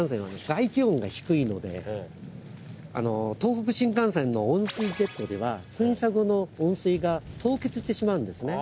外気温が低いので東北新幹線の温水ジェットでは噴射後の温水が凍結してしまうんですね。